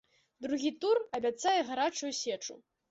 Другі тур абяцае гарачую сечу.